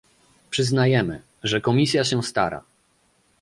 Przyznajemy, że Komisja się stara